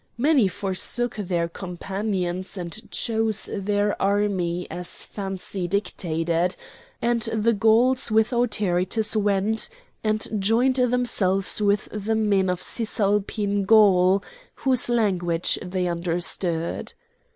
Many forsook their companions and chose their army as fancy dictated, and the Gauls with Autaritus went and joined themselves with the men of Cisalpine Gaul, whose language they understood.